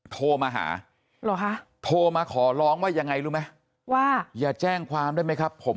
โทรมาหาชอมาขอร้องว่ายังไงหม่าว่ารักแจ้งใจให้ไหมครับผม